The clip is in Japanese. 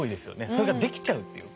それができちゃうっていうか。